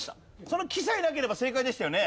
その「木」さえなければ正解でしたよね？